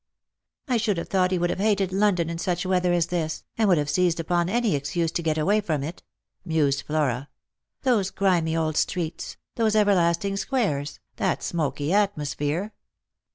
" I should have thought he would have hated London in such weather as this, and would have seized upon any excuse to get away from it," mused Flora ;" those grimy old streets — those everlasting squares — that smoky atmosphere